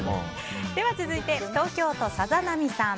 続いて、東京都の方。